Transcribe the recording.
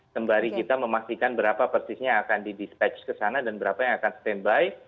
sembari kita memastikan berapa persisnya akan di dispatch ke sana dan berapa yang akan standby